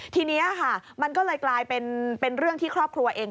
ทีนี้ค่ะมันก็เลยกลายเป็นเรื่องที่ครอบครัวเอง